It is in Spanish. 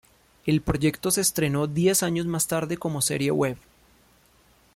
El proyecto se estrenó diez años más tarde como serie web.